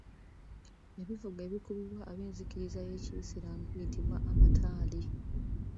Ebivuba ebikubibwa ab’enzikiriza y’Ekisiraamu biyitibwa amataali.